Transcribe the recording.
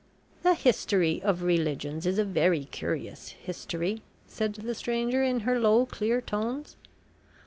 "The history of religions is a very curious history," said the stranger in her low clear tones.